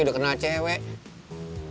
udah kenal cewek